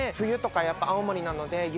やっぱ青森なので。